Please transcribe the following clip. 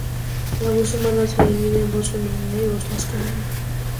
La voz humana se divide en voz femenina y voz masculina.